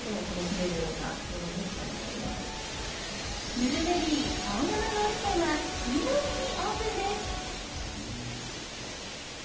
ルルメリー青山通り店は水曜日にオープンです。